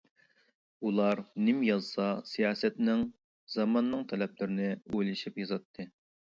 ئۇلار نېمە يازسا سىياسەتنىڭ، زاماننىڭ تەلەپلىرىنى ئويلىشىپ يازاتتى.